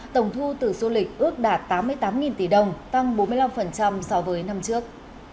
tổng thu từ du lịch ước đạt tám mươi tám tỷ đồng tăng bốn mươi năm so với năm trước